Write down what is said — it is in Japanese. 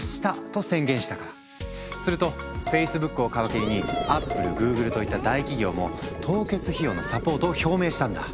するとＦａｃｅｂｏｏｋを皮切りにＡｐｐｌｅＧｏｏｇｌｅといった大企業も凍結費用のサポートを表明したんだ。